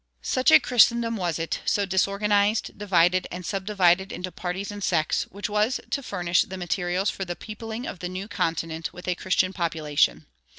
Such a Christendom was it, so disorganized, divided, and subdivided into parties and sects, which was to furnish the materials for the peopling of the new continent with a Christian population.